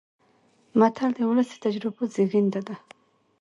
متل د ولس د تجربو زېږنده ده